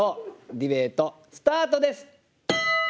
ディベートスタートです！